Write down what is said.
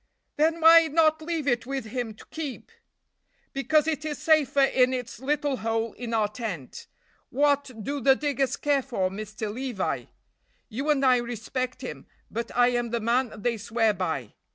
"Then why not leave it with him to keep?" "Because it is safer in its little hole in our tent. What do the diggers care for Mr. Levi? You and I respect him, but I am the man they swear by.